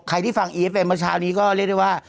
ใครที่ฟังอีฟไปเมื่อเช้านี้ก็เรียกได้ว่า